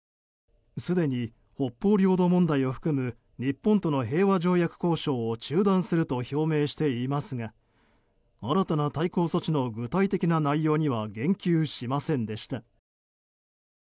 すでに、北方領土問題を含む日本との平和条約交渉を中断すると表明していますが新たな対抗措置の具体的な内容には言及しませんでした。